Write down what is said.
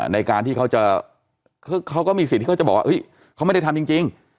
ในการที่เขาจะเขาก็มีสิทธิ์ที่เขาจะบอกว่าเขาไม่ได้ทำจริง